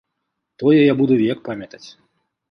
Тое я буду век памятаць.